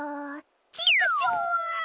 チクショー！